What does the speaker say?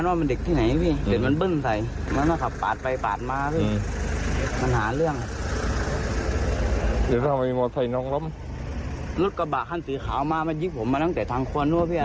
รถกระบะขั้นสื่อขาวมามันยิบผมมาตั้งแต่ทางครัวนั่วพี่